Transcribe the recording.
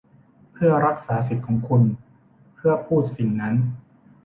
เพื่อรักษาสิทธิ์ของคุณเพื่อพูดสิ่งนั้น